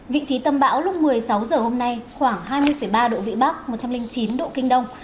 vị trí tâm bão lúc một mươi sáu h hôm nay khoảng hai mươi ba độ vĩ bắc một trăm linh chín độ kinh đông